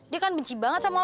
dia kan benci banget sama orang